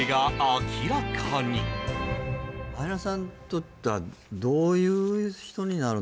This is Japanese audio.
綾菜さんにとってはどういう人になるんだ？